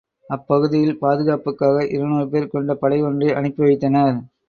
அப்பகுதியில், பாதுகாப்புக்காக இருநூறு பேர் கொண்ட படை ஒன்றை அனுப்பி வைத்தனர்.